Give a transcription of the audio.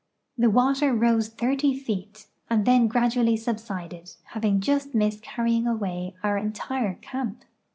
The water rose thirty feet, and then gradu ally subsided, having just missed canying away our entire camp.